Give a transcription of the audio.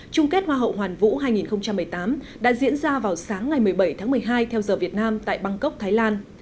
trung kết hoa hậu hoàn vũ hai nghìn một mươi tám đã diễn ra vào sáng ngày một mươi bảy tháng một mươi hai theo giờ việt nam tại bangkok thái lan